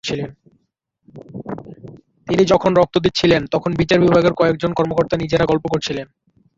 তিনি যখন রক্ত দিচ্ছিলেন, তখন বিচার বিভাগের কয়েকজন কর্মকর্তা নিজেরা গল্প করছিলেন।